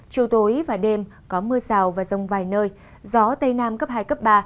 chiều tối và đêm có mưa rào và rông vài nơi gió tây nam cấp hai cấp ba